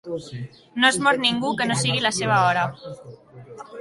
No es mor ningú que no sigui la seva hora.